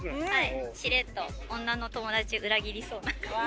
しれっと女の友達裏切りそうな感じ。